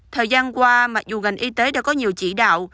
thời gian qua mặc dù ngành y tế đã có nhiều chỉ đạo